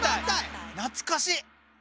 懐かしっ！